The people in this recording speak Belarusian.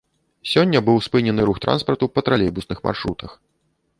Сёння быў спынены рух транспарту па тралейбусных маршрутах.